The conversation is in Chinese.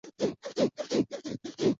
政府和国会共同握有立法权。